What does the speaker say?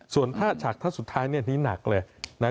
ส่วนถ้าฉากท่าสุดท้ายอันนี้นักเลยนะ